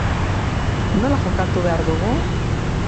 Nola jokatu behar dugu?